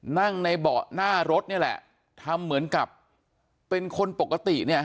นั่งในเบาะหน้ารถนี่แหละทำเหมือนกับเป็นคนปกติเนี่ย